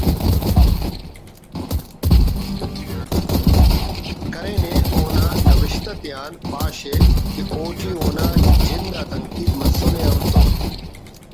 کرینے اونا نوشت آتیان پاش ءِ کہ اوٹی اونا جند آ تنقید مسنے ہم تو